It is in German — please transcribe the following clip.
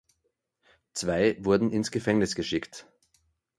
Zwei wurden ins Gefängnis geschickt.